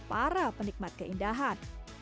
para penikmat keindahan